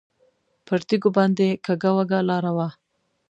پر تیږو باندې کږه وږه لاره وه.